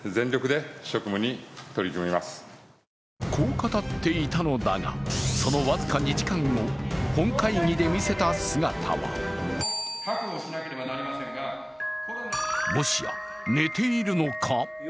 こう語っていたのだが、その僅か２時間後本会議で見せた姿はもしや寝ているのか？